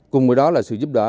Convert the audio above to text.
cùng với đó là sự giúp đỡ